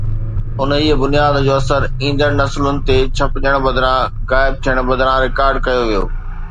انهيءَ بنياد جو اثر ايندڙ نسلن تي ڇپجڻ بدران غائب ٿيڻ بدران رڪارڊ ڪيو ويو.